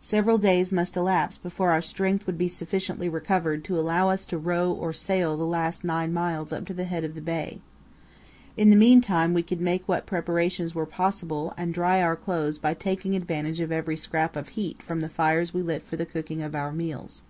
Several days must elapse before our strength would be sufficiently recovered to allow us to row or sail the last nine miles up to the head of the bay. In the meantime we could make what preparations were possible and dry our clothes by taking advantage of every scrap of heat from the fires we lit for the cooking of our meals.